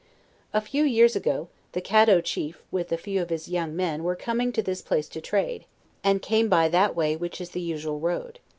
A few months ago, the Caddo chief with a few of his young men were coining to this place to trade, and came by that way which is the usual road.